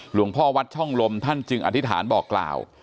หลวงพ่อวัดช่องลมท่านจึงอธิษฐานบอกกล่าว